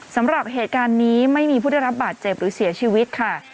สำหรับเหตุการณ์นี้ไม่มีผู้ได้รับบาดเจ็บหรือเสียชีวิตค่ะ